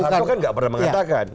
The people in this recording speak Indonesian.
kalau pak arto kan gak pernah mengatakan